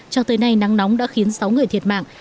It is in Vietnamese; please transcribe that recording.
cho tới nay nắng nóng đã khiến sáu người thiệt mạng